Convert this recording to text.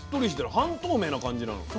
半透明な感じなの。